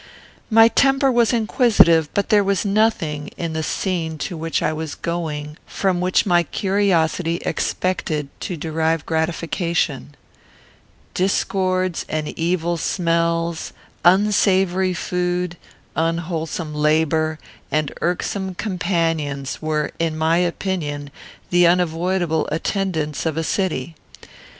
My temper was inquisitive, but there was nothing in the scene to which I was going from which my curiosity expected to derive gratification. Discords and evil smells, unsavoury food, unwholesome labour, and irksome companions, were, in my opinion, the unavoidable attendants of a city.